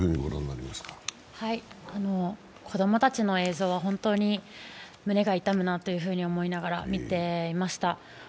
子供たちの映像は本当に胸が痛むなと思いながら見ていました。